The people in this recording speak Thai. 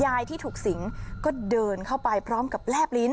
ที่ถูกสิงก็เดินเข้าไปพร้อมกับแลบลิ้น